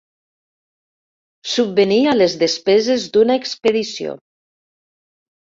Subvenir a les despeses d'una expedició.